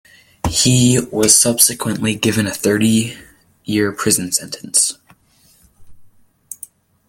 He was subsequently given a thirty-year prison sentence.